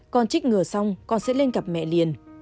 con chích ngừa xong con sẽ lên gặp mẹ liền